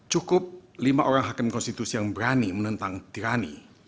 cukup lima orang hakim konstitusi yang berani menentang tirani